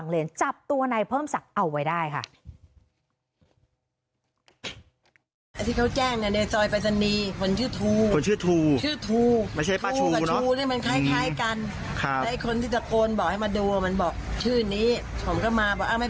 เลสอยไปรษณีย์อีกคนชื่อทูทูเนี่ยมันคล้ายกันข้างใกล้คนลึกน้องบ่อยมาดูมันบอกชื่อนี้ผมก็มาบอกไม่